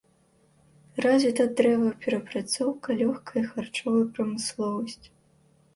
Развіта дрэваперапрацоўка, лёгкая і харчовая прамысловасць.